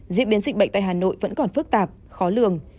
diễn biến dịch bệnh tại hà nội vẫn còn phức tạp khó lường